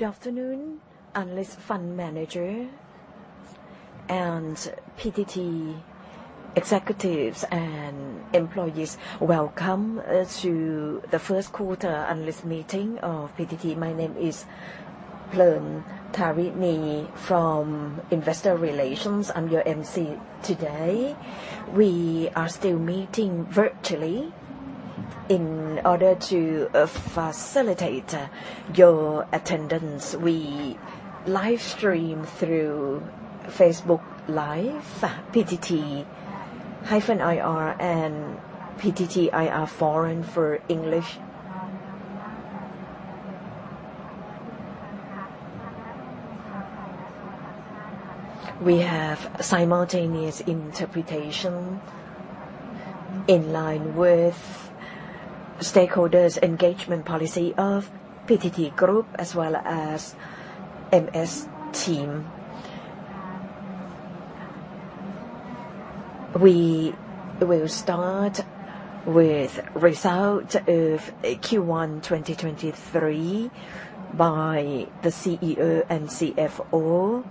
Good afternoon, analysts, fund managers, and PTT executives and employees. Welcome to the first quarter analyst meeting of PTT. My name is [Pleum Tarini] from Investor Relations. I'm your emcee today. We are still meeting virtually. In order to facilitate your attendance, we live stream through Facebook Live, PTT-IR and PTT-IR Foreign for English. We have simultaneous interpretation in line with stakeholders' engagement policy of PTT Group, as well as MS team. We will start with result of Q1 2023 by the CEO and CFO,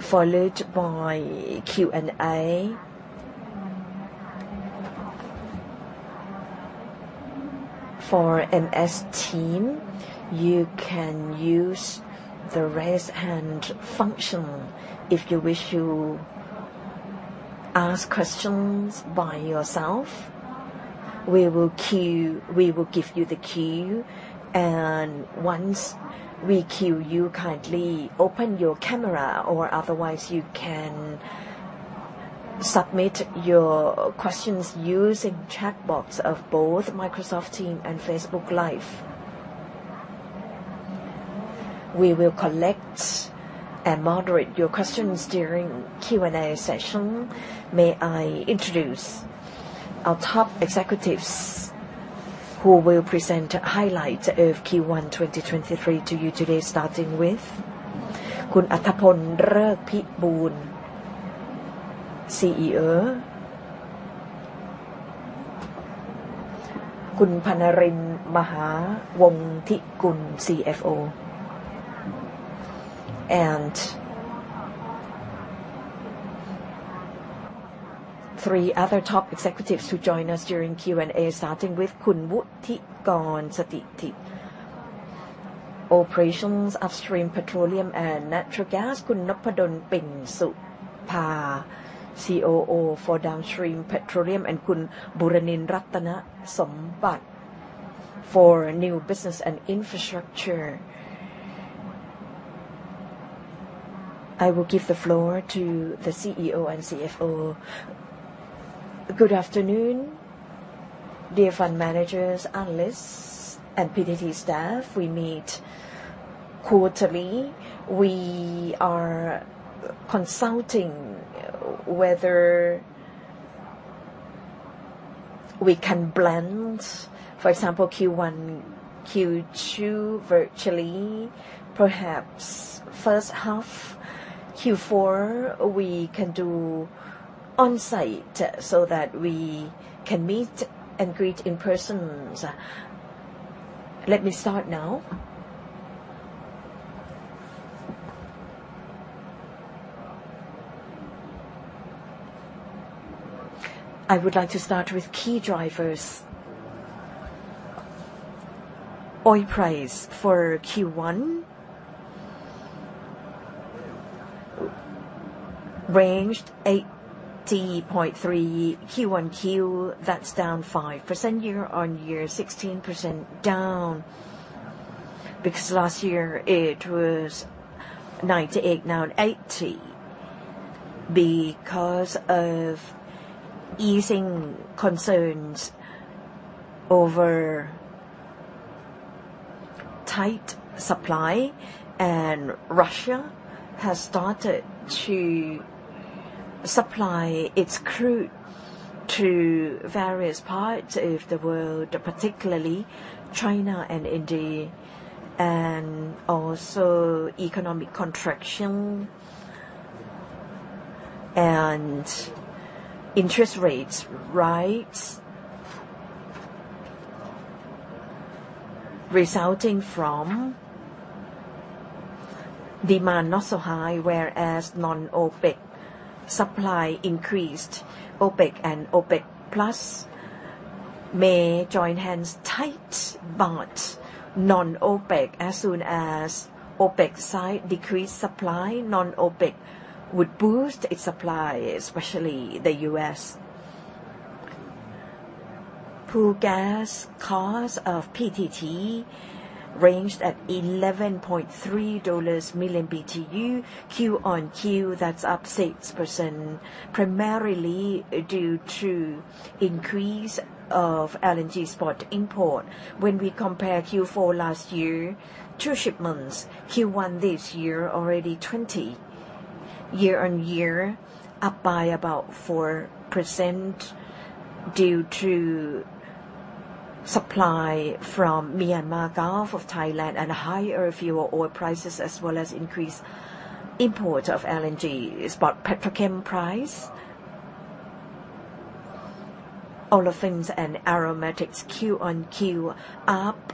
followed by Q&A. For MS team, you can use the Raise Hand function if you wish to ask questions by yourself. We will give you the queue, and once we queue you, kindly open your camera, or otherwise you can submit your questions using chat box of both Microsoft Teams and Facebook Live. We will collect and moderate your questions during Q&A session. May I introduce our top executives who will present highlights of Q1 2023 to you today, starting with Kun Auttapol Rerkpiboon, CEO. Kun Pannalin Mahawongtikul, CFO. Three other top executives who join us during Q&A, starting with Kun Wuttikorn Stithit, Operations Upstream Petroleum and Natural Gas, Kun Noppadol Pinsupa, COO for Downstream Petroleum, and Kun Buranin Rattanasombat for New Business and Infrastructure. I will give the floor to the CEO and CFO. Good afternoon, dear fund managers, analysts, and PTT staff. We meet quarterly. We are consulting whether we can blend, for example, Q1, Q2 virtually. Perhaps first half Q4 we can do on-site so that we can meet and greet in person. Let me start now. I would like to start with key drivers. Oil price for Q1 ranged $80.3. Q-on-Q, that's down 5%. Year-on-year, 16% down because last year it was $98, now $80 because of easing concerns over tight supply and Russia has started to supply its crude to various parts of the world, particularly China and India, and also economic contraction and interest rates rise. Resulting from demand not so high, whereas non-OPEC supply increased. OPEC and OPEC+ may join hands tight, but non-OPEC, as soon as OPEC side decrease supply, non-OPEC would boost its supply, especially the US. Pool Gas cost of PTT ranged at $11.3 million BTU. Q-on-Q, that's up 6%, primarily due to increase of LNG spot import. When we compare Q4 last year, two shipments. Q1 this year, already 20. Year-on-year, up by about 4% due to supply from Myanmar Gulf of Thailand and higher fuel oil prices as well as increased import of LNG spot. Petrochem price. Olefins and aromatics Q-on-Q up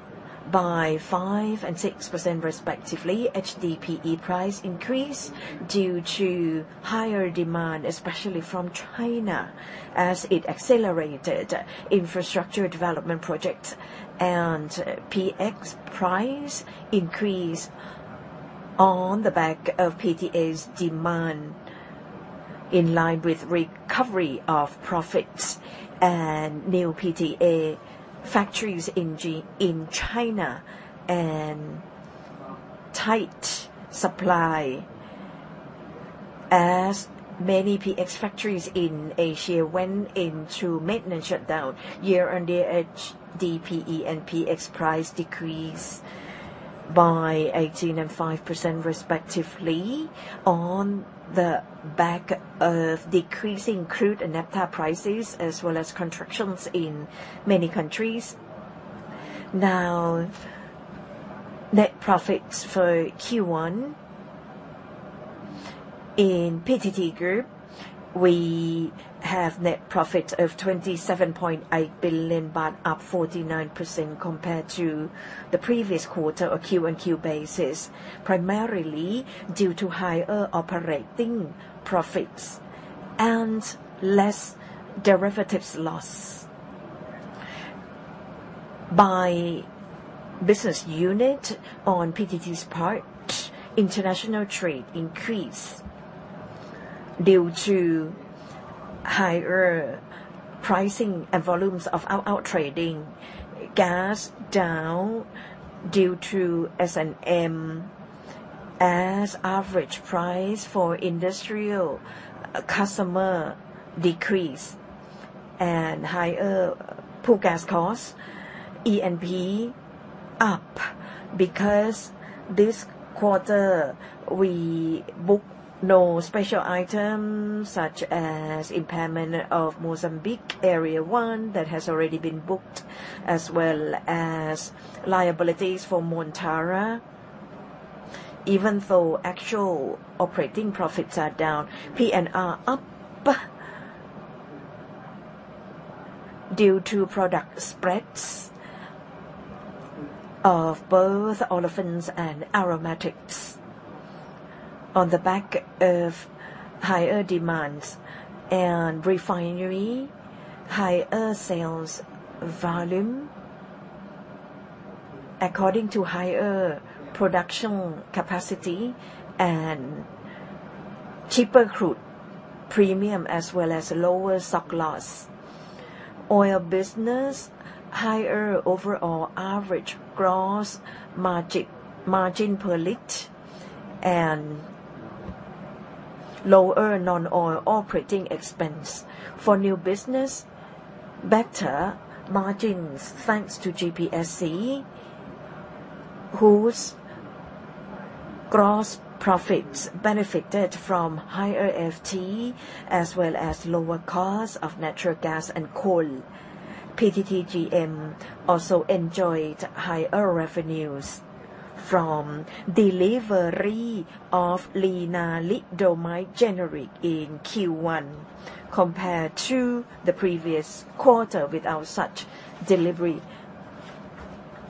by 5% and 6% respectively. HDPE price increased due to higher demand, especially from China, as it accelerated infrastructure development projects. PX price increased on the back of PTA's demand in line with recovery of profits and new PTA factories in China, and tight supply as many PX factories in Asia went into maintenance shutdown. Year-on-year, HDPE and PX price decreased by 18% and 5% respectively on the back of decreasing crude and naphtha prices, as well as contractions in many countries. Net profits for Q1. In PTT Group, we have net profit of 27.8 billion baht, up 49% compared to the previous quarter or Q-on-Q basis, primarily due to higher operating profits and less derivatives loss. By business unit on PTT's part, international trade increased due to higher pricing and volumes of our Out-Out Trading. Gas down due to S&M as average price for industrial customer decreased and higher fuel gas costs. E&P up because this quarter we book no special items such as impairment of Mozambique Area One that has already been booked, as well as liabilities for Montara. Even though actual operating profits are down, P&R up due to product spreads of both olefins and aromatics on the back of higher demands. Refinery, higher sales volume according to higher production capacity and cheaper crude premium, as well as lower stock loss. Oil business, higher overall average gross margin per liter and lower non-oil operating expense. For new business, better margins thanks to GPSC, whose gross profits benefited from higher FT as well as lower cost of natural gas and coal. PTTGM also enjoyed higher revenues from delivery of lenalidomide generic in Q1 compared to the previous quarter without such delivery.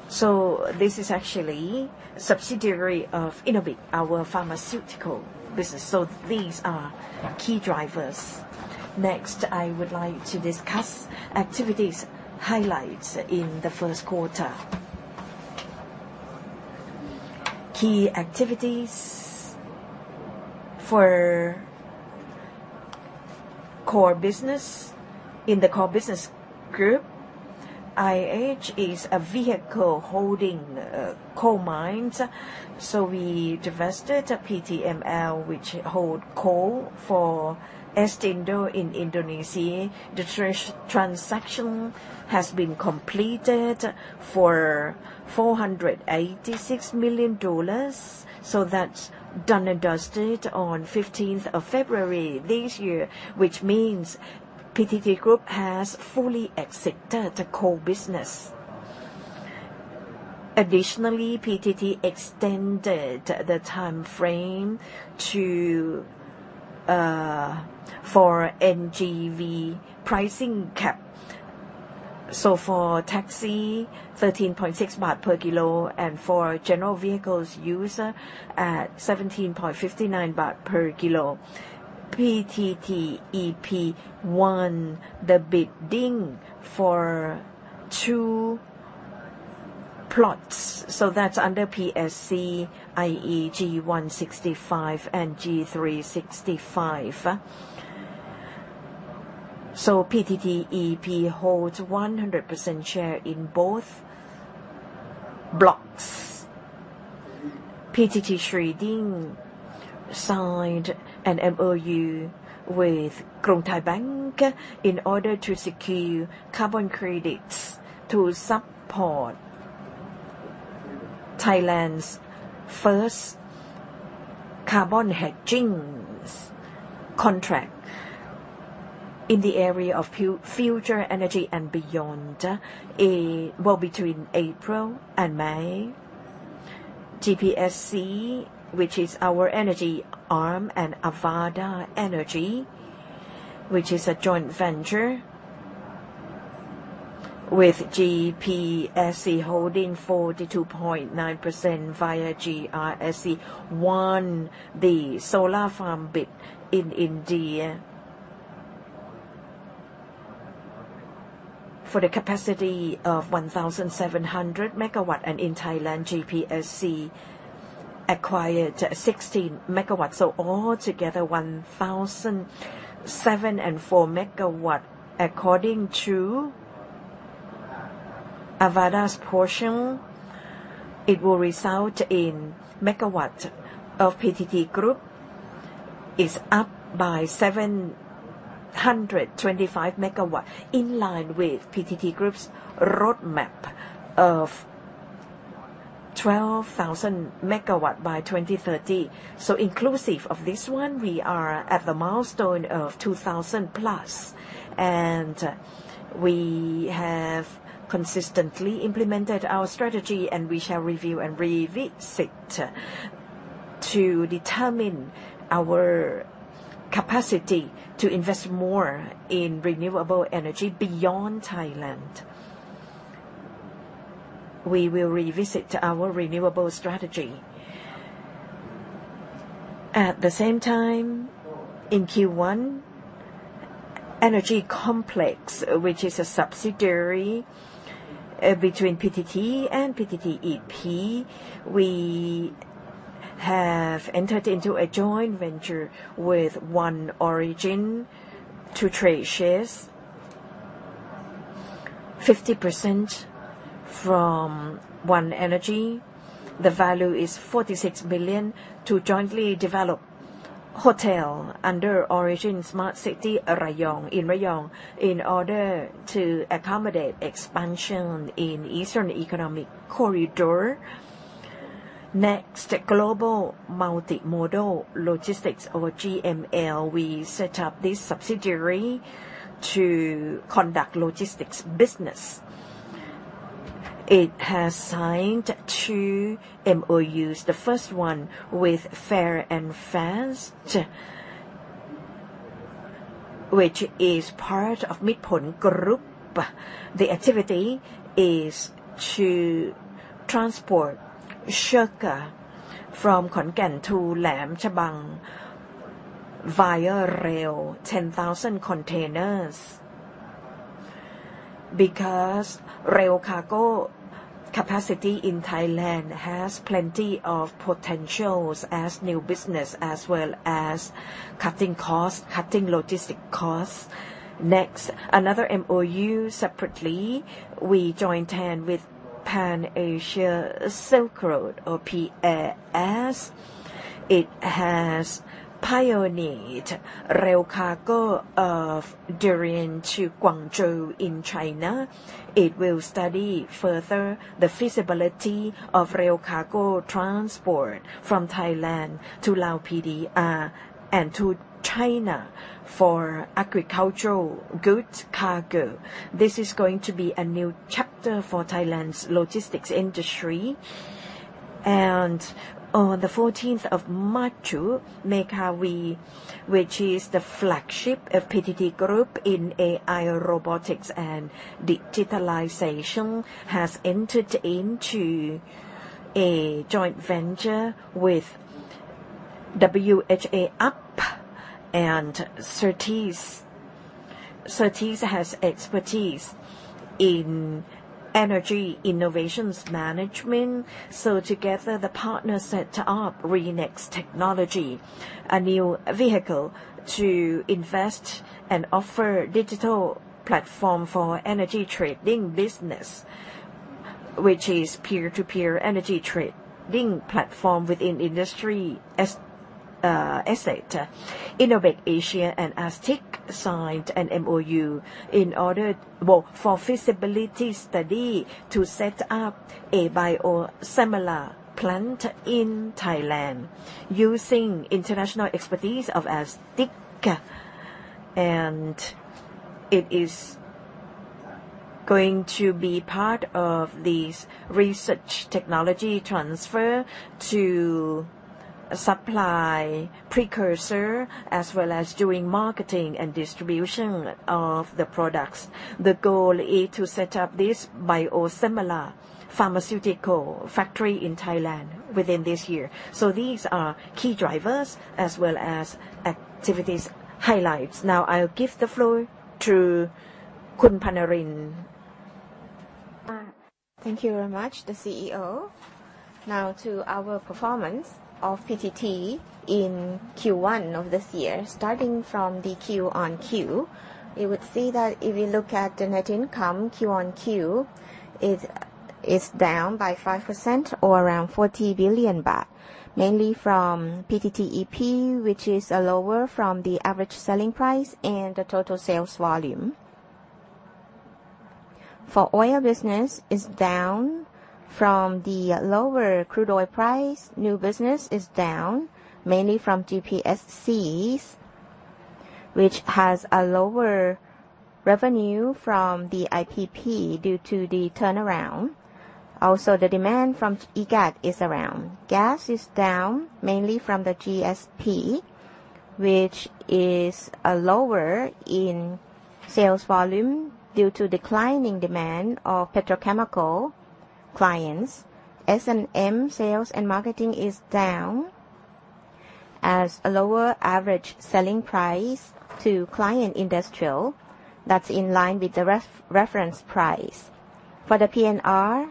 This is actually subsidiary of Innobic, our pharmaceutical business. These are key drivers. Next, I would like to discuss activities highlights in the first quarter. Key activities for core business. In the core business group, PTTIH is a vehicle holding coal mines. We divested PTTML, which hold coal for Astrindo in Indonesia. The transaction has been completed for $486 million. That's done and dusted on 15th of February this year, which means PTT Group has fully exited the coal business. Additionally, PTT extended the timeframe for NGV pricing cap. For taxi, 13.6 baht per kilo, and for general vehicles user at 17.59 baht per kilo. PTTEP won the bidding for two plots, that's under PSC, i.e., G1/65 and G3/65. PTTEP holds 100% share in both blocks. PTT Trading signed an MOU with Krungthai Bank in order to secure carbon credits to support Thailand's first carbon hedging contract in the area of future energy and beyond, between April and May. GPSC, which is our energy arm, and Avaada Energy, which is a joint venture with GPSC holding 42.9% via GRSC, won the solar farm bid in India. For the capacity of 1,700 MW. In Thailand, GPSC acquired 16 MW. All together 1,704 MW. According to Avaada's portion, it will result in megawatt of PTT Group is up by 725MW, in line with PTT Group's roadmap of 12,000MW by 2030. Inclusive of this one, we are at the milestone of 2,000+. We have consistently implemented our strategy, and we shall review and revisit to determine our capacity to invest more in renewable energy beyond Thailand. We will revisit our renewable strategy. In Q1 Energy Complex, which is a subsidiary between PTT and PTTEP, we have entered into a joint venture with One Origin to trade shares 50% from OneEnergy. The value is 46 billion to jointly develop hotel under Origin Smart City Rayong in Rayong in order to accommodate expansion in Eastern Economic Corridor. Global Multimodal Logistics or GML. We set up this subsidiary to conduct logistics business. It has signed 2 MOUs. The first one with Fair & Fast, which is part of Mitr Phol Group. The activity is to transport sugar from Khon Kaen to Laem Chabang via rail, 10,000 containers. Rail cargo capacity in Thailand has plenty of potentials as new business as well as cutting costs, cutting logistics costs. Another MOU separately, we join hand with Pan-Asia Silk Road or PAS. It has pioneered rail cargo of durian to Guangzhou in China. It will study further the feasibility of rail cargo transport from Thailand to Lao PDR and to China for agricultural goods cargo. This is going to be a new chapter for Thailand's logistics industry. On the 14th of March, Mekha V, which is the flagship of PTT Group in AI, robotics and digitalization, has entered into a joint venture with WHAUP and Sertis. Sertis has expertise in energy innovations management. Together the partners set up RENEX Technology, a new vehicle to invest and offer digital platform for energy trading business, which is peer-to-peer energy trading platform within industry as asset. Innobic Asia and Aztiq signed an MOU in order both for feasibility study to set up a biosimilar plant in Thailand using international expertise of Aztiq. It is going to be part of this research technology transfer to supply precursor as well as doing marketing and distribution of the products. The goal is to set up this biosimilar pharmaceutical factory in Thailand within this year. These are key drivers as well as activities highlights. Now I'll give the floor to Kun Pannalin. Thank you very much, the CEO. To our performance of PTT in Q1 of this year. Starting from the Q-on-Q, you would see that if you look at the net income Q-on-Q is down by 5% or around 40 billion baht, mainly from PTTEP, which is lower from the average selling price and the total sales volume. For oil business is down from the lower crude oil price. New business is down mainly from GPSC, which has a lower revenue from the IPP due to the turnaround. Also, the demand from EGAT is around. Gas is down mainly from the GSP, which is lower in sales volume due to declining demand of petrochemical clients. S&M, sales and marketing, is down as a lower average selling price to client industrial that's in line with the reference price. For the PNR,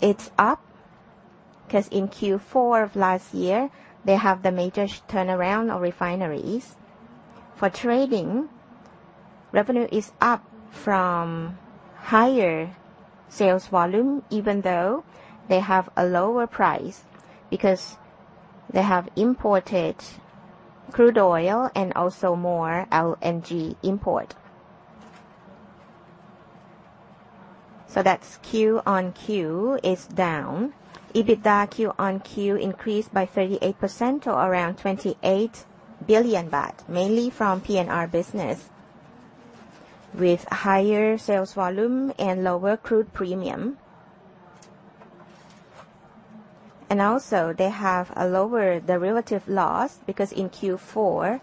it's up 'cause in Q4 of last year, they have the major turnaround of refineries. For trading, revenue is up from higher sales volume even though they have a lower price because they have imported crude oil and also more LNG import. That's Q-on-Q is down. EBITDA Q-on-Q increased by 38% to around 28 billion baht, mainly from PNR business with higher sales volume and lower crude premium. Also they have a lower derivative loss because in Q4,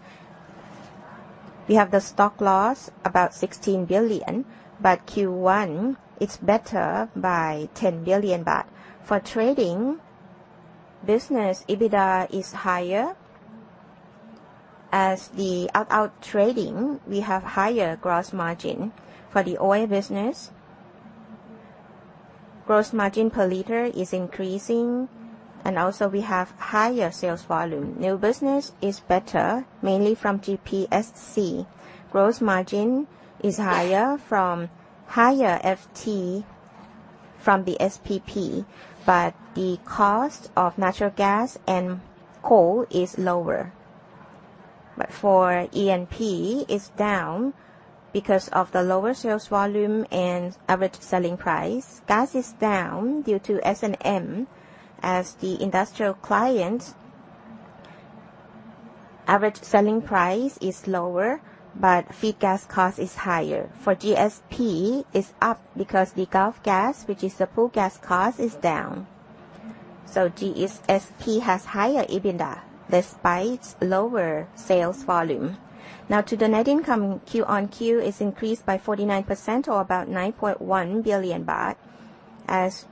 we have the stock loss about 16 billion, but Q1 it's better by 10 billion baht. For trading business, EBITDA is higher. As the Out-Out Trading, we have higher gross margin. For the oil business, gross margin per liter is increasing and also we have higher sales volume. New business is better, mainly from GPSC. Gross margin is higher from higher FT from the SPP. The cost of natural gas and coal is lower. For E&P, it's down because of the lower sales volume and average selling price. Gas is down due to S&M as the industrial client. Average selling price is lower. Feed gas cost is higher. For GSP, it's up because the Gulf Gas, which is the Pool Gas cost, is down. GSP has higher EBITDA despite lower sales volume. Now to the net income, Q-on-Q is increased by 49% or about 9.1 billion baht as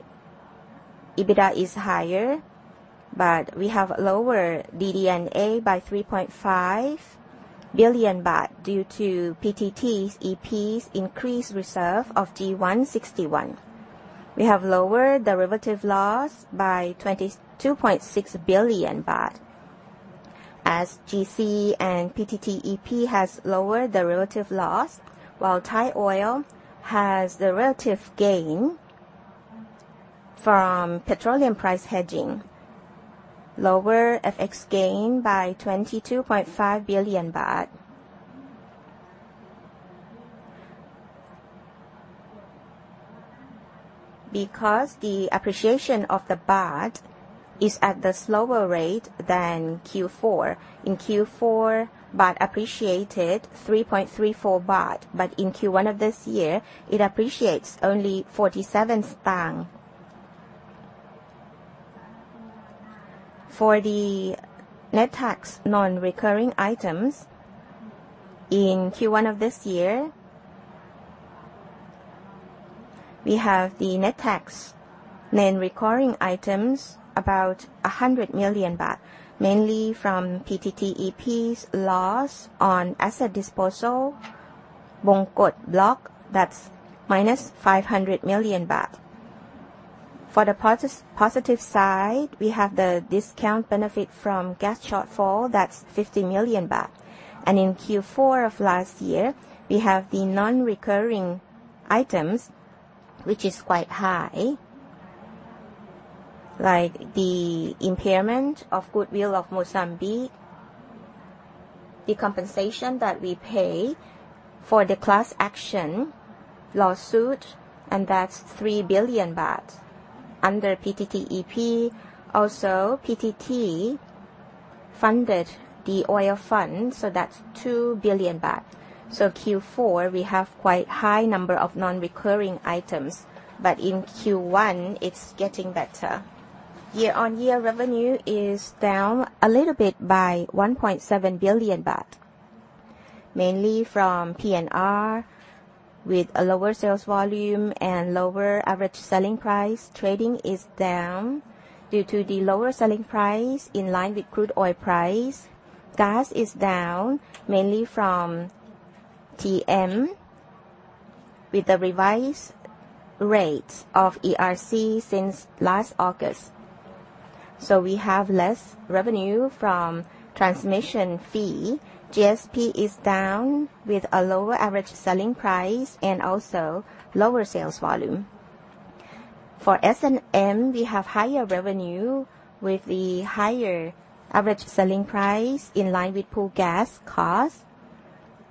EBITDA is higher. We have lower DD&A by 3.5 billion baht due to PTT's E&P's increased reserve of G1/61. We have lower derivative loss by 22.6 billion baht as GC and PTTEP has lower derivative loss, while Thaioil has derivative gain from petroleum price hedging. Lower FX gain by 22.5 billion baht. The appreciation of the baht is at the slower rate than Q4. In Q4, baht appreciated 3.34 baht, but in Q1 of this year, it appreciates only 47 stang. For the net tax non-recurring items in Q1 of this year, we have the net tax non-recurring items about 100 million baht, mainly from PTTEP's loss on asset disposal, Bongkot block, that's minus 500 million baht. For the positive side, we have the discount benefit from gas shortfall, that's 50 million baht. In Q4 of last year, we have the non-recurring items which is quite high, like the impairment of goodwill of Mozambique, the compensation that we pay for the class action lawsuit, that's 3 billion baht under PTTEP. Also, PTT funded the Oil Fund, that's 2 billion baht. Q4, we have quite high number of non-recurring items, in Q1, it's getting better. Year-on-year revenue is down a little bit by 1.7 billion baht, mainly from PNR with a lower sales volume and lower average selling price. Trading is down due to the lower selling price in line with crude oil price. Gas is down mainly from TM with the revised rates of ERC since last August. We have less revenue from transmission fee. GSP is down with a lower average selling price and also lower sales volume. For S&M, we have higher revenue with the higher average selling price in line with Pool Gas cost.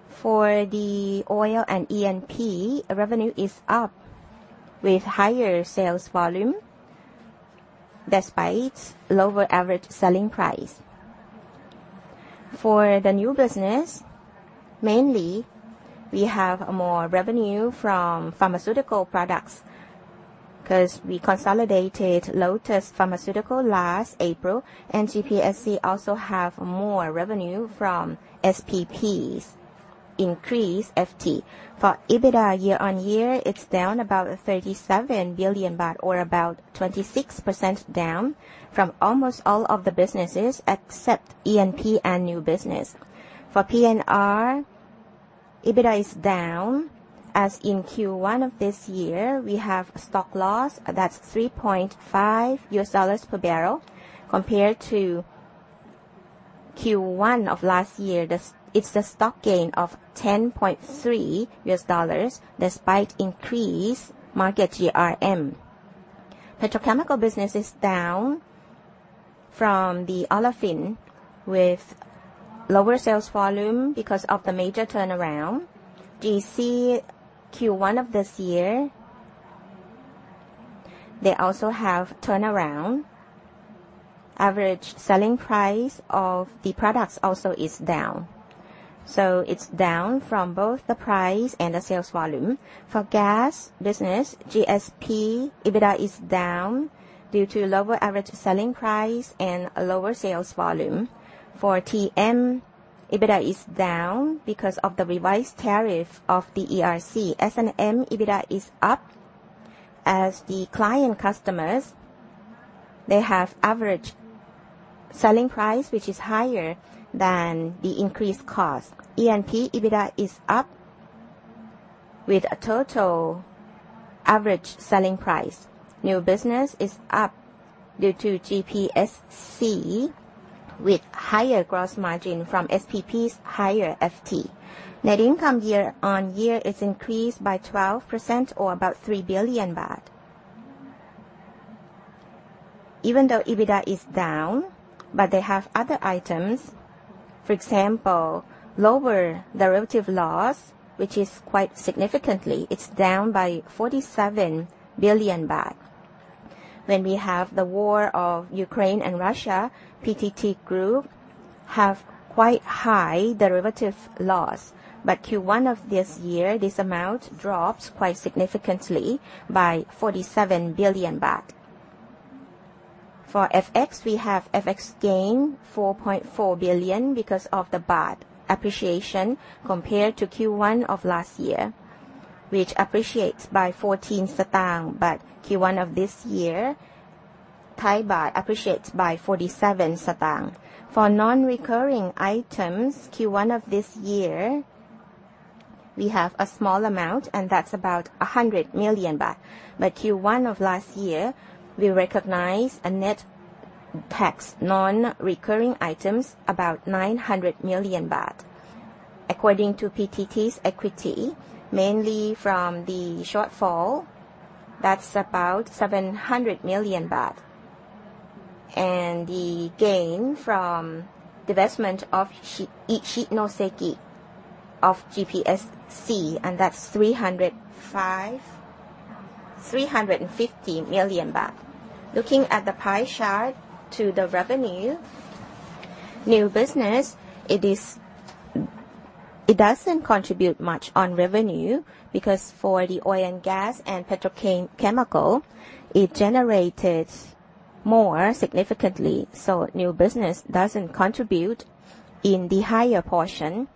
For the oil and E&P, revenue is up with higher sales volume, despite lower average selling price. For the new business, mainly we have more revenue from pharmaceutical products, 'cause we consolidated Lotus Pharmaceutical last April, and GPSC also have more revenue from SPPs increase FT. For EBITDA year-on-year, it's down about 37 billion baht or about 26% down from almost all of the businesses, except E&P and new business. For PNR, EBITDA is down, as in Q1 of this year, we have stock loss that's $3.5 per barrel compared to Q1 of last year. It's a stock gain of $10.3 despite increased market GRM. Petrochemical business is down from the olefin with lower sales volume because of the major turnaround. GC, Q1 of this year, they also have turnaround. Average selling price of the products also is down. It's down from both the price and the sales volume. For gas business, GSP, EBITDA is down due to lower average selling price and lower sales volume. For TM, EBITDA is down because of the revised tariff of the ERC. S&M, EBITDA is up. The client customers, they have average selling price which is higher than the increased cost. E&P, EBITDA is up with a total average selling price. New business is up due to GPSC with higher gross margin from SPP's higher FT. Net income year-on-year is increased by 12% or about 3 billion baht. Even though EBITDA is down, but they have other items. For example, lower derivative loss, which is quite significantly. It's down by 47 billion baht. When we have the war of Ukraine and Russia, PTT Group have quite high derivative loss. Q1 of this year, this amount drops quite significantly by 47 billion baht. For FX, we have FX gain 4.4 billion because of the baht appreciation compared to Q1 of last year, which appreciates by 0.14. Q1 of this year, Thai baht appreciates by 0.47. For non-recurring items, Q1 of this year, we have a small amount, and that's about 100 million baht. Q1 of last year, we recognize a net tax non-recurring items about 900 million baht. According to PTT's equity, mainly from the shortfall, that's about 700 million baht. The gain from divestment of Ichinoseki of GPSC, and that's 305... 350 million baht. Looking at the pie chart to the revenue. New business, it doesn't contribute much on revenue because for the oil and gas and petrochemical, it generated more significantly. New business doesn't contribute in the higher portion.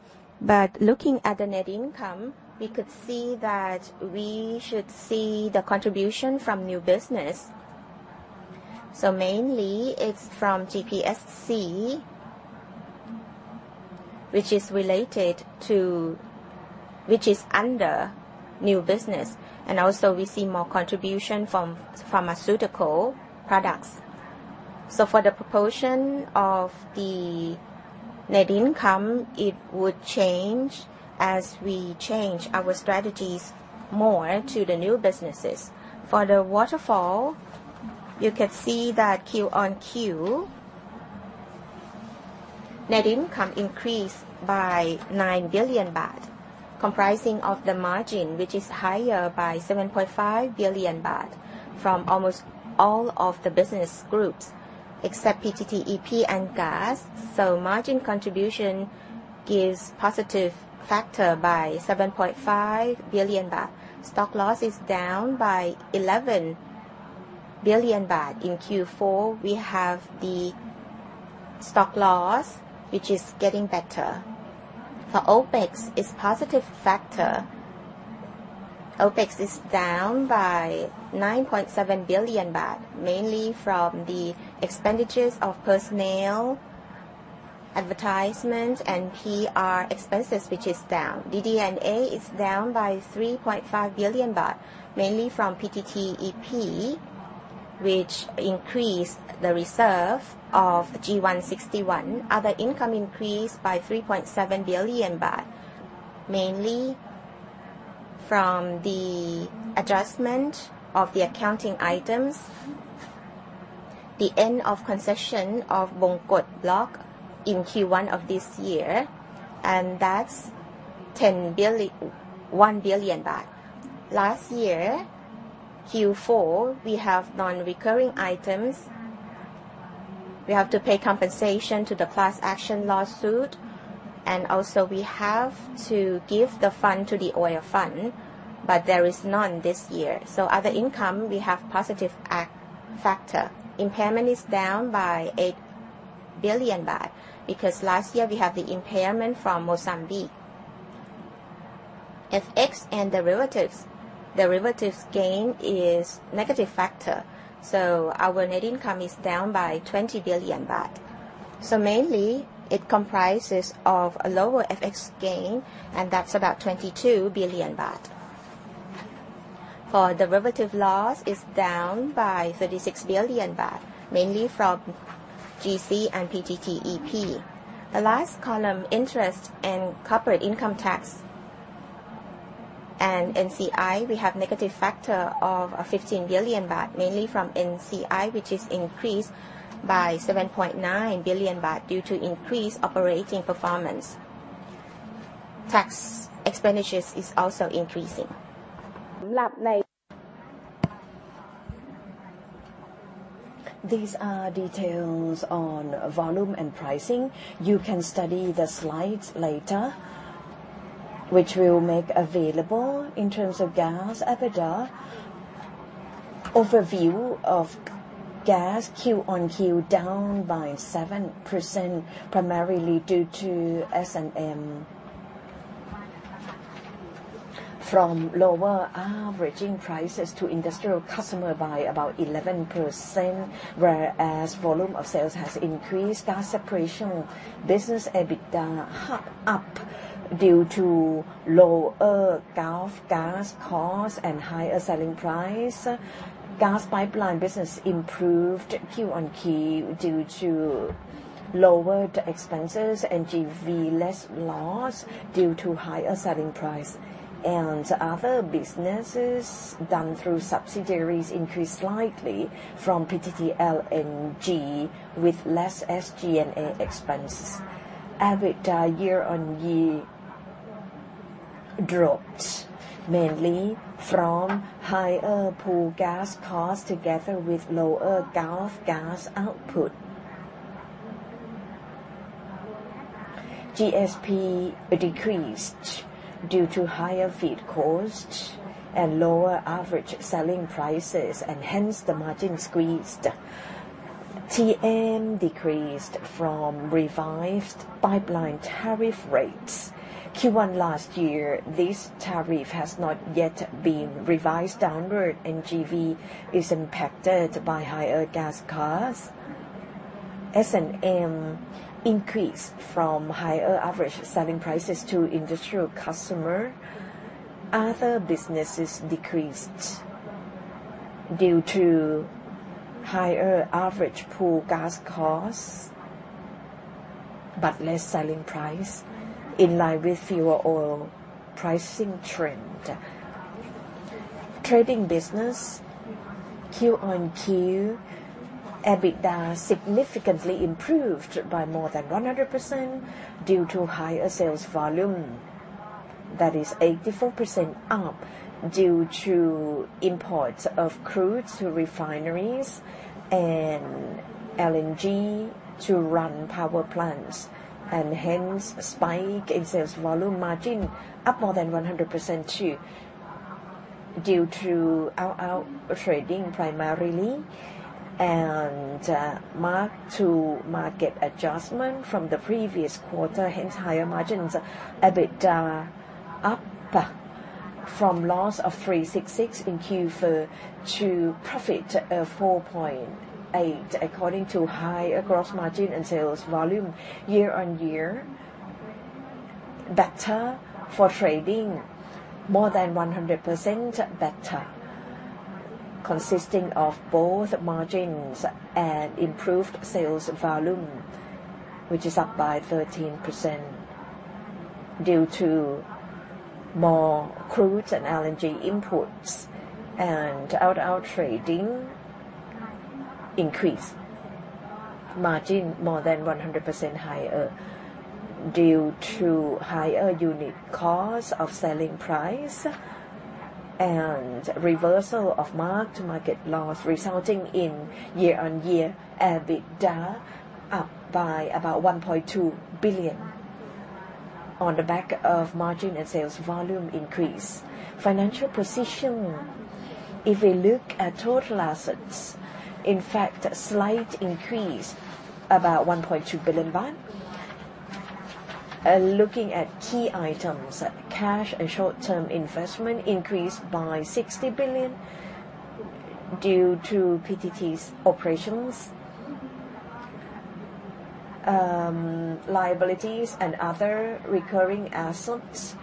Looking at the net income, we could see that we should see the contribution from new business. Mainly, it's from GPSC, which is under new business. Also we see more contribution from pharmaceutical products. For the proportion of the net income, it would change as we change our strategies more to the new businesses. For the waterfall, you can see that Q-on-Q, net income increased by 9 billion baht, comprising of the margin which is higher by 7.5 billion baht from almost all of the business groups, except PTTEP and Gas. Margin contribution gives positive factor by 7.5 billion baht. Stock loss is down by 11 billion baht. In Q4, we have the stock loss, which is getting better. OpEx, it's positive factor. OpEx is down by 9.7 billion baht, mainly from the expenditures of personnel, advertisement, and PR expenses, which is down. DD&A is down by 3.5 billion baht, mainly from PTTEP, which increased the reserve of G1/61. Other income increased by 3.7 billion baht, mainly from the adjustment of the accounting items, the end of concession of Bongkot block in Q1 of this year, and that's 1 billion baht. Last year, Q4, we have non-recurring items. We have to pay compensation to the class action lawsuit, and also we have to give the fund to the Oil Fund. There is none this year. Other income, we have positive a-factor. Impairment is down by 8 billion baht because last year we had the impairment from Mozambique. FX and derivatives. Derivatives gain is negative factor, our net income is down by 20 billion baht. Mainly it comprises of a lower FX gain, and that's about 22 billion baht. For derivative loss is down by 36 billion baht, mainly from GC and PTTEP. The last column, interest and corporate income tax and NCI, we have negative factor of 15 billion baht, mainly from NCI, which is increased by 7.9 billion baht due to increased operating performance. Tax expenditures is also increasing. These are details on volume and pricing. You can study the slides later, which we'll make available. In terms of gas EBITDA, overview of gas Q-on-Q down by 7%, primarily due to S&M. From lower averaging prices to industrial customer by about 11%, whereas volume of sales has increased. Gas separation business EBITDA up due to lower Gulf Gas cost and higher selling price. Gas pipeline business improved Q-on-Q due to lower expenses and GV less loss due to higher selling price. Other businesses done through subsidiaries increased slightly from PTT LNG with less SG&A expenses. EBITDA year-on-year dropped mainly from higher Pool Gas costs together with lower Gulf Gas output. GSP decreased due to higher feed costs and lower average selling prices and hence the margin squeezed. TN decreased from revised pipeline tariff rates. Q1 last year, this tariff has not yet been revised downward. NGV is impacted by higher gas costs. S&M increased from higher average selling prices to industrial customer. Other businesses decreased due to higher average Pool Gas costs, but less selling price in line with fuel oil pricing trend. Trading business quarter-over-quarter, EBITDA significantly improved by more than 100% due to higher sales volume. That is 84% up due to imports of crude to refineries and LNG to run power plants, and hence spike in sales volume margin up more than 100% too due to Out-Out Trading primarily and mark-to-market adjustment from the previous quarter, hence higher margins. EBITDA up from loss of 366 in Q4 to profit of 4.8 according to higher gross margin and sales volume year-over-year. Better for trading, more than 100% better. Consisting of both margins and improved sales volume, which is up by 13% due to more crude and LNG imports and out-out trading increase. Margin more than 100% higher due to higher unit cost of selling price and reversal of mark-to-market loss resulting in year-on-year EBITDA up by about 1.2 billion on the back of margin and sales volume increase. Financial position, if we look at total assets, in fact a slight increase about 1.2 billion baht. Looking at key items, cash and short-term investment increased by 60 billion due to PTT's operations. Liabilities and other recurring assets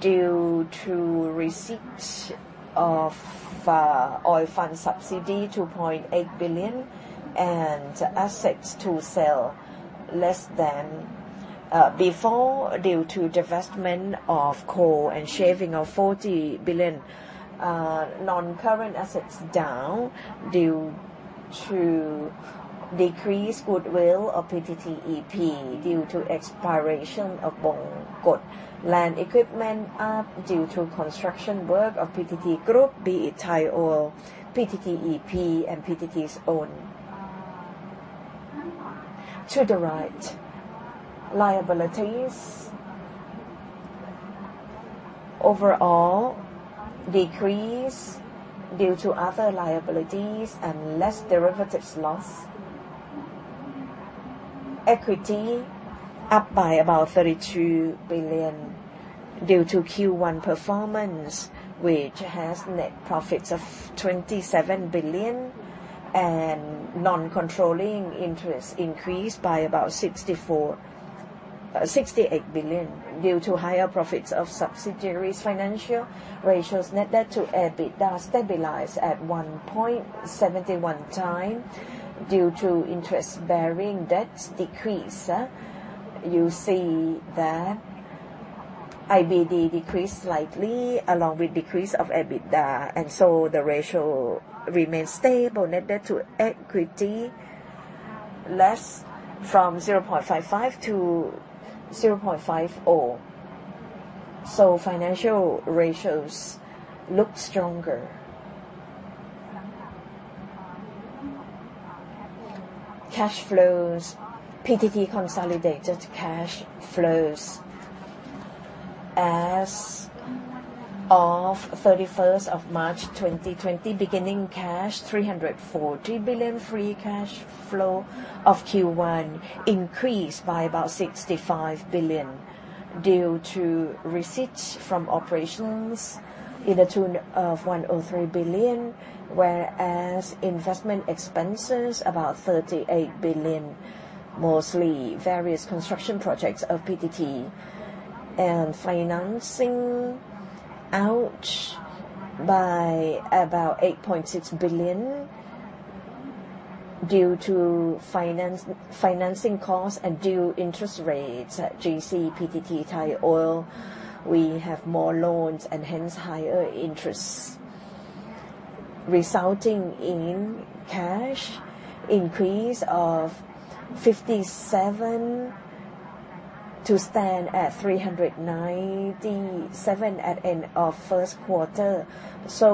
due to receipt of Oil Fund subsidy 2.8 billion and assets to sell less than before due to divestment of coal and shaving of 40 billion. Non-current assets down due to decreased goodwill of PTTEP due to expiration of Bongkot. Land equipment up due to construction work of PTT Group, be it Thaioil, PTTEP, and PTT's own. To the right. Liabilities overall decrease due to other liabilities and less derivatives loss. Equity up by about 32 billion due to Q1 performance, which has net profits of 27 billion and non-controlling interests increased by about 68 billion due to higher profits of subsidiaries financial ratios. Net debt to EBITDA stabilized at 1.71x due to interest-bearing debts decrease. You see that IBD decreased slightly along with decrease of EBITDA. The ratio remains stable. Net debt to equity less from 0.55 to 0.50. Financial ratios look stronger. Cash flows. PTT consolidated cash flows as of 31st of March 2020. Beginning cash 340 billion. Free cash flow of Q1 increased by about 65 billion due to receipts from operations in the tune of 103 billion, whereas investment expenses about 38 billion, mostly various construction projects of PTT. Financing out by about 8.6 billion due to financing costs and due interest rates at GC, PTT, Thaioil. We have more loans and hence higher interests, resulting in cash increase of 57 billion to stand at 397 billion at end of first quarter.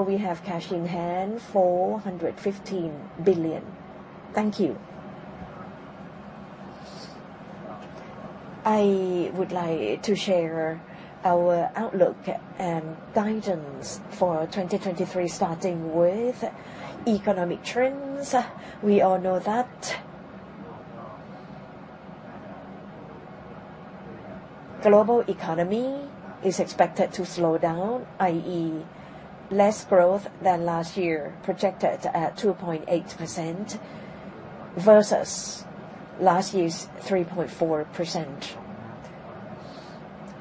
We have cash in hand 415 billion. Thank you. I would like to share our outlook and guidance for 2023, starting with economic trends. We all know that global economy is expected to slow down, i.e., less growth than last year, projected at 2.8% versus last year's 3.4%.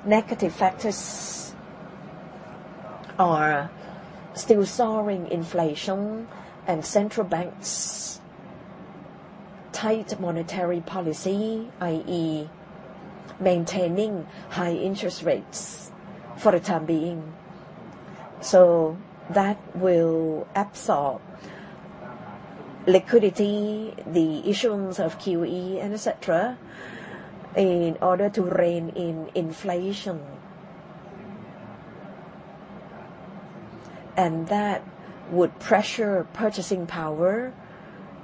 Negative factors are still soaring inflation and central banks' tight monetary policy, i.e., maintaining high interest rates for the time being. That will absorb liquidity, the issuance of QE, and et cetera, in order to rein in inflation. That would pressure purchasing power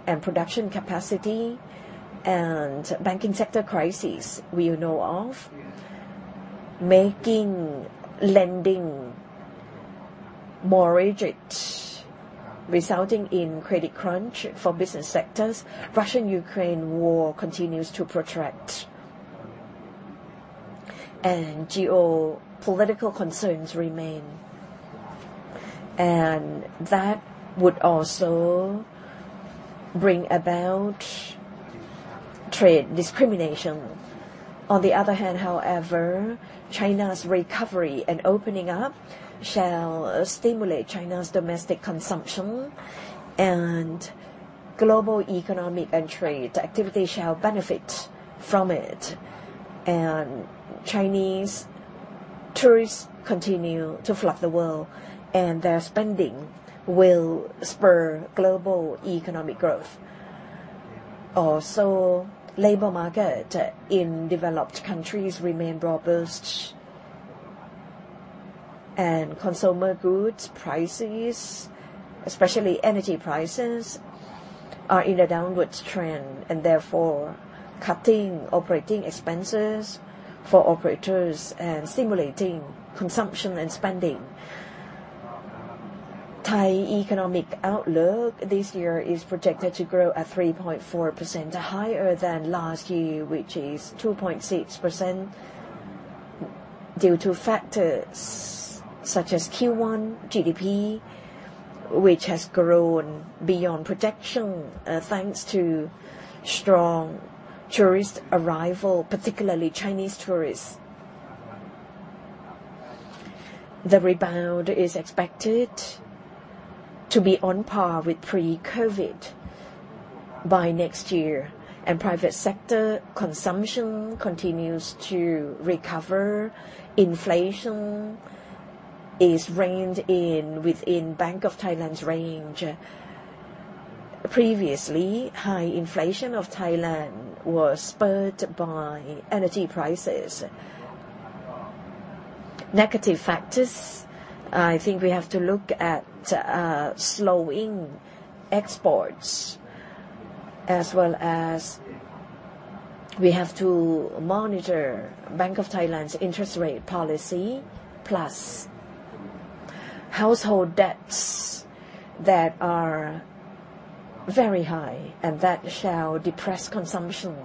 and production capacity. Banking sector crisis we know of, making lending more rigid, resulting in credit crunch for business sectors. Russian-Ukraine war continues to protract, and geopolitical concerns remain. That would also bring about trade discrimination. On the other hand, however, China's recovery and opening up shall stimulate China's domestic consumption, global economic and trade activity shall benefit from it. Chinese tourists continue to flood the world, and their spending will spur global economic growth. Also, labor market in developed countries remain robust. Consumer goods prices, especially energy prices, are in a downward trend, and therefore cutting operating expenses for operators and stimulating consumption and spending. Thai economic outlook this year is projected to grow at 3.4% higher than last year, which is 2.6% due to factors such as Q1 GDP, which has grown beyond projection, thanks to strong tourist arrival, particularly Chinese tourists. The rebound is expected to be on par with pre-COVID by next year. Private sector consumption continues to recover. Inflation is reined in within Bank of Thailand's range. Previously, high inflation of Thailand was spurred by energy prices. Negative factors, I think we have to look at slowing exports as well as we have to monitor Bank of Thailand's interest rate policy plus household debts that are very high and that shall depress consumption.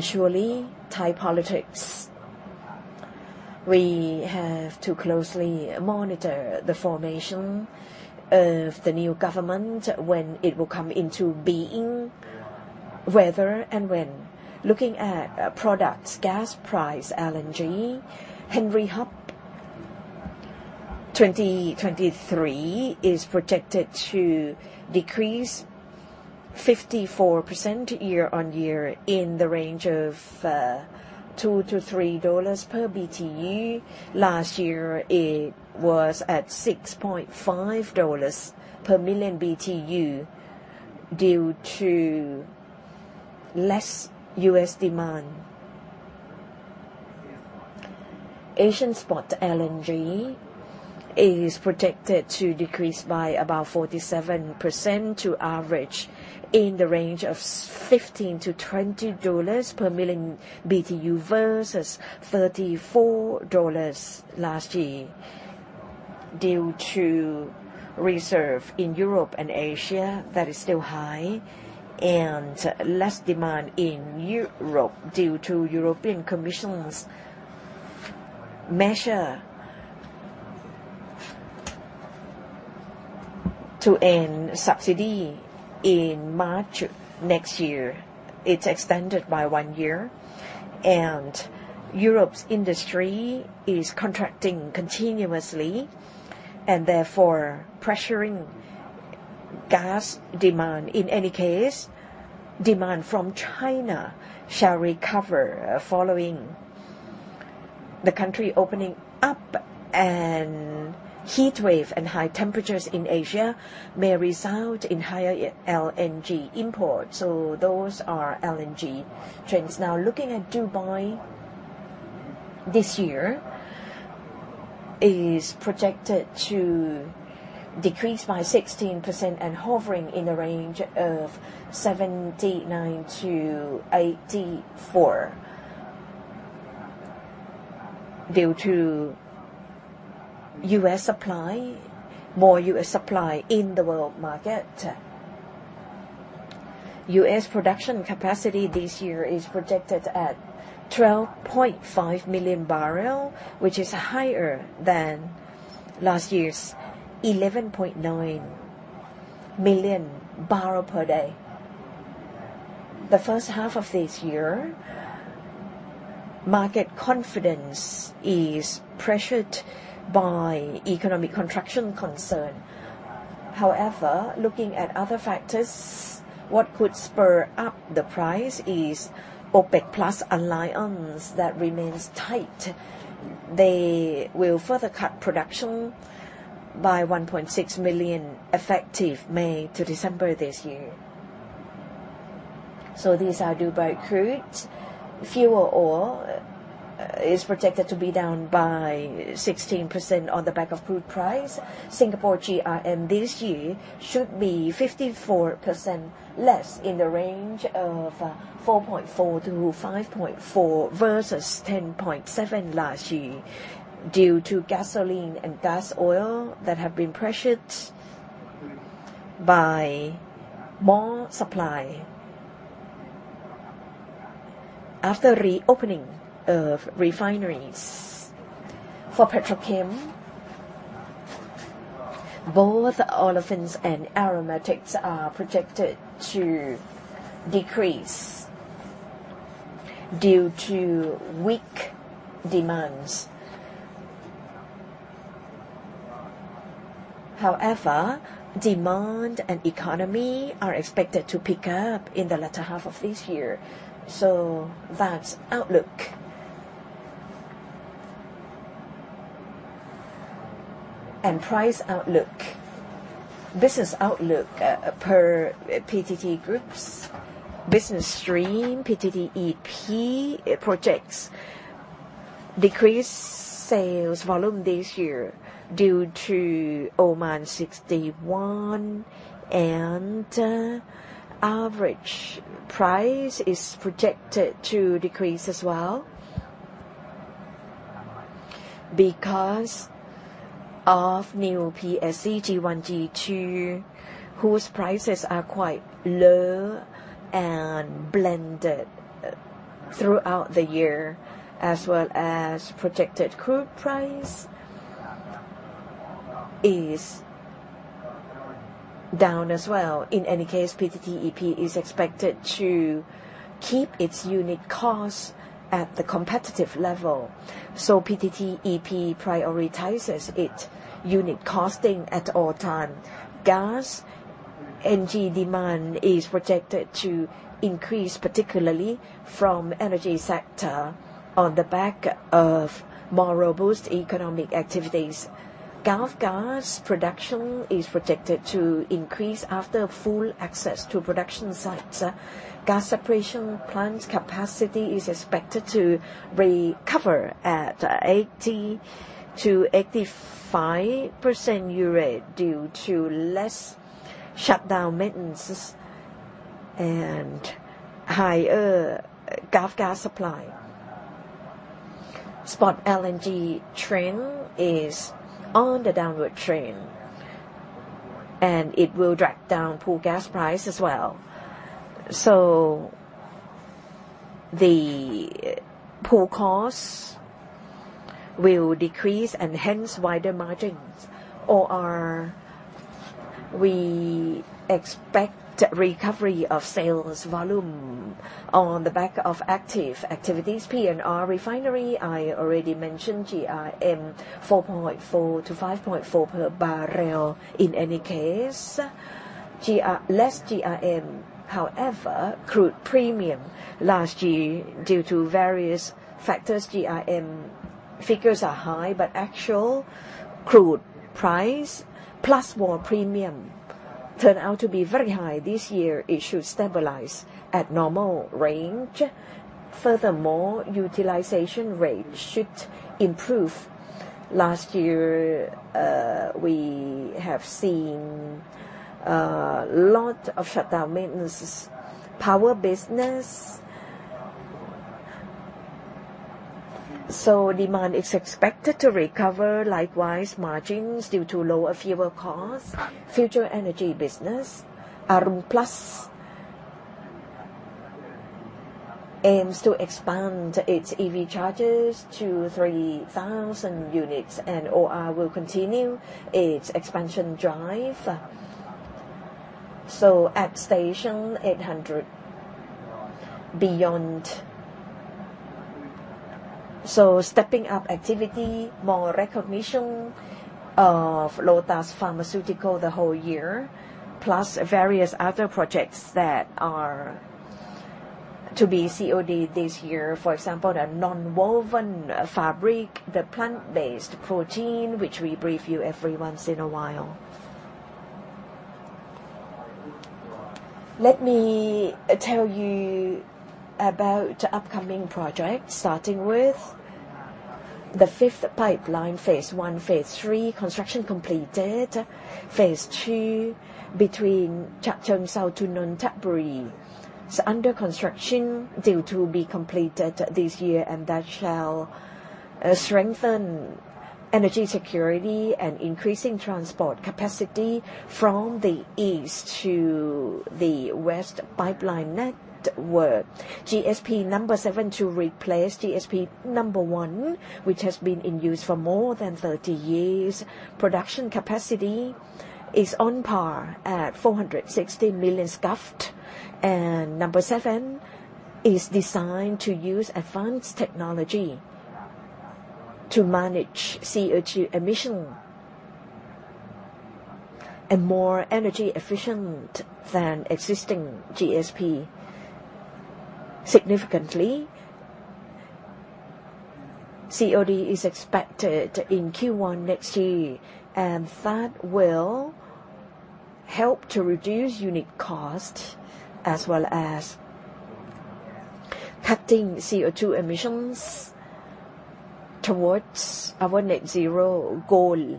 Surely, Thai politics. We have to closely monitor the formation of the new government when it will come into being, whether and when. Looking at products, gas price, LNG, Henry Hub 2023 is projected to decrease 54% year-over-year in the range of $2-$3 per BTU. Last year it was at $6.5 per million BTU due to less U.S. demand. Asian spot LNG is projected to decrease by about 47% to average in the range of $15-$20 per million BTU versus $34 last year due to reserve in Europe and Asia that is still high and less demand in Europe due to European Commission's measure to end subsidy in March next year. It's extended by 1 year. Europe's industry is contracting continuously and therefore pressuring gas demand. In any case, demand from China shall recover following the country opening up and heatwave and high temperatures in Asia may result in higher LNG import. Those are LNG trends. Looking at Dubai this year is projected to decrease by 16% and hovering in the range of $79-$84 due to U.S. supply, more U.S. supply in the world market. US production capacity this year is projected at 12.5 million barrel, which is higher than last year's 11.9 million barrel per day. The first half of this year, market confidence is pressured by economic contraction concern. However, looking at other factors, what could spur up the price is OPEC+ alliance that remains tight. They will further cut production by 1.6 million effective May to December this year. These are Dubai crude. Fuel oil is projected to be down by 16% on the back of crude price. Singapore GRM this year should be 54% less in the range of 4.4-5.4 versus 10.7 last year due to gasoline and gas oil that have been pressured by more supply after reopening of refineries. For petrochemical, both olefins and aromatics are projected to decrease due to weak demands. However, demand and economy are expected to pick up in the latter half of this year. That's outlook. Price outlook. Business outlook, per PTT Group's business stream, PTT EP projects decreased sales volume this year due to Oman 61 and average price is projected to decrease as well because of new PSC G1, G2, whose prices are quite low and blended throughout the year as well as projected crude price is down as well. In any case, PTT EP is expected to keep its unit costs at the competitive level. PTT EP prioritizes its unit costing at all time. GasNG demand is projected to increase, particularly from energy sector on the back of more robust economic activities. Gulf Gas production is projected to increase after full access to production sites. Gas separation plant capacity is expected to recover at 80%-85% rate due to less shutdown maintenance and higher Gulf Gas supply. Spot LNG trend is on the downward trend, it will drag down Pool Gas price as well. The Pool Gas costs will decrease and hence wider margins. OR we expect recovery of sales volume on the back of active activities. P&R refinery, I already mentioned GRM 4.4-5.4 per barrel. In any case, less GRM. Crude premium last year due to various factors, GRM figures are high, but actual crude price plus more premium turned out to be very high this year. It should stabilize at normal range. Utilization rate should improve. Last year, we have seen a lot of shutdown maintenance. Power business. Demand is expected to recover. Likewise, margins due to lower fuel costs. Future energy business. ARUN PLUS aims to expand its EV chargers to 3,000 units. OR will continue its expansion drive. At station 800. Beyond. Stepping up activity, more recognition of Lotus Pharmaceutical the whole year, plus various other projects that are to be COD this year. For example, the nonwoven fabrics, the plant-based protein, which we brief you every once in a while. Let me tell you about upcoming projects, starting with the Fifth Pipeline phase I, phase III, construction completed. phase II between Chachoengsao to Nonthaburi is under construction, due to be completed this year. That shall strengthen energy security and increasing transport capacity from the east to the west pipeline network. GSP-7 to replace GSP-1, which has been in use for more than 30 years. Production capacity is on par at 460 million MMSCFD, and GSP-7 is designed to use advanced technology to manage CO2 emission and more energy efficient than existing GSP. Significantly, COD is expected in Q1 next year, and that will help to reduce unit cost as well as cutting CO2 emissions towards our net zero goal.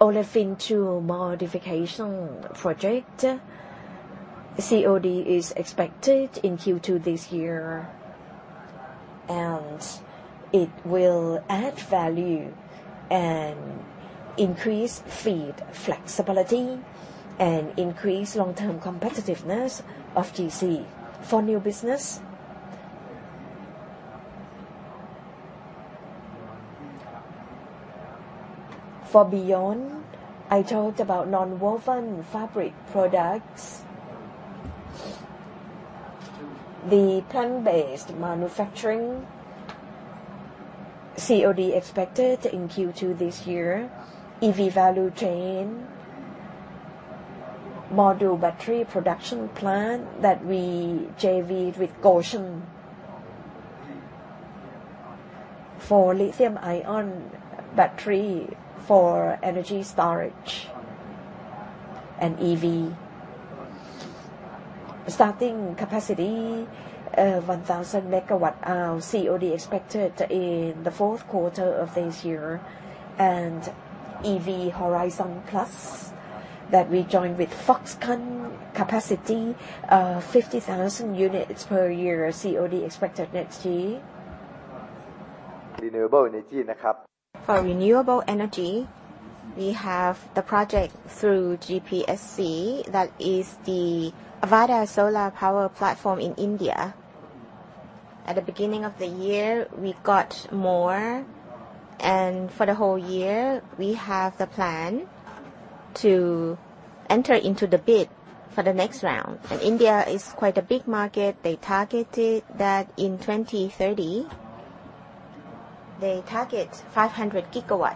Olefins 2 Modification Project. COD is expected in Q2 this year, and it will add value and increase feed flexibility and increase long-term competitiveness of GC. For new business. For Beyond, I talked about nonwoven fabric products. The plant-based manufacturing. COD expected in Q2 this year. EV value chain. Module battery production plant that we JV with Gotion. For lithium-ion battery for energy storage and EV. Starting capacity of 1,000MW-hour. COD expected in the fourth quarter of this year. EV Horizon Plus that we joined with Foxconn. Capacity of 50,000 units per year. COD expected next year. Renewable energy. For renewable energy, we have the project through GPSC. That is the Avaada Solar Power Platform in India. At the beginning of the year, we got more, and for the whole year, we have the plan to enter into the bid for the next round. India is quite a big market. They targeted that in 2030. They target 500GW.